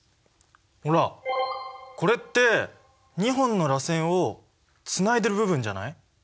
ほらこれって２本のらせんをつないでる部分じゃない？